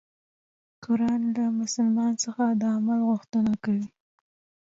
قرآن له مسلمان څخه د عمل غوښتنه کوي.